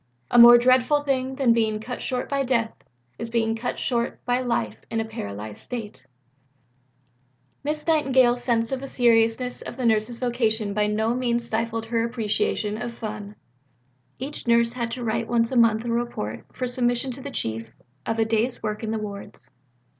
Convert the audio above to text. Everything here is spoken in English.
A more dreadful thing than being cut short by death is being cut short by life in a paralysed state." The initials are not the real ones. Miss Nightingale's sense of the seriousness of the nurse's vocation by no means stifled her appreciation of fun. Each nurse had to write once a month a report, for submission to the Chief, of a day's work in the wards.